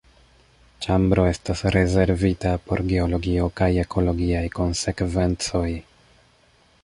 Ĉambro estas rezervita por geologio kaj ekologiaj konsekvencoj.